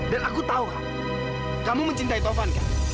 dan aku tahu kak kamu mencintai taufan kak